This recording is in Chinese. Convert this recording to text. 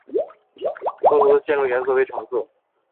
所属的线路颜色为橙色。